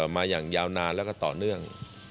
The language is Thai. มาอย่างยาวนานแล้วก็ต่อเนื่อง